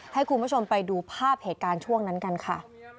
ให้คุณผู้ชมไปดูภาพเหตุการณ์ช่วงนั้นกันค่ะ